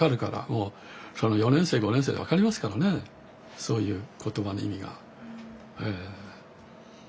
もう４年生５年生で分かりますからねそういう言葉の意味が。